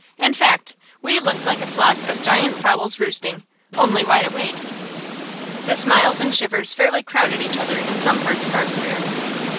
In fact, we looked like a flock of giant fowls roosting, only wide awake. The smiles and shivers fairly crowded each other in some parts of our career.